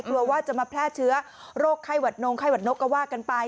กลัวว่าจะมาแพร่เชื้อโรคไข้หวัดนงไข้หวัดนกก็ว่ากันไป